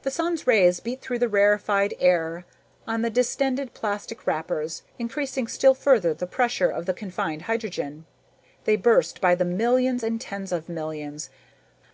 The Sun's rays beat through the rarified air on the distended plastic wrappers, increasing still further the pressure of the confined hydrogen. They burst by the millions and tens of millions.